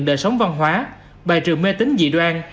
đời sống văn hóa bài trừ mê tính dị đoan